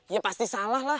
ya pasti salah lah